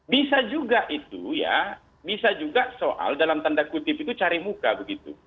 bisa juga itu ya bisa juga soal dalam tanda kutip itu cari muka begitu